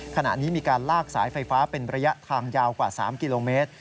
ขณะนี้มีการลากสายไฟฟ้าเป็นระยะทางยาวกว่า๓กิโลเมตร